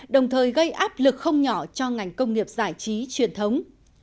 đồng thời gây áp lực không nhỏ cho ngành công nghiệp giải trí truyền thống